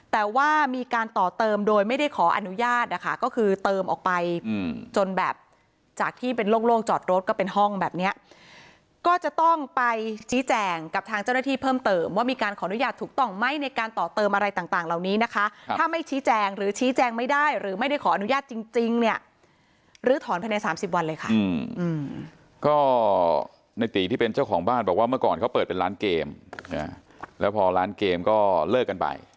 แต่ว่ามีการต่อเติมโดยไม่ได้ขออนุญาตค่ะก็คือเติมออกไปจนแบบจากที่เป็นโล่งจอดรถก็เป็นห้องแบบเนี้ยก็จะต้องไปชี้แจ่งกับทางเจ้าหน้าที่เพิ่มเติมว่ามีการขอนุญาตถูกต้องไหมในการต่อเติมอะไรต่างเหล่านี้นะคะถ้าไม่ชี้แจ่งหรือชี้แจ่งไม่ได้หรือไม่ได้ขออนุญาตจริงเนี่ยลื้อถอนไปในสามสิบ